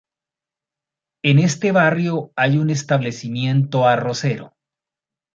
En este barrio hay un establecimiento arrocero.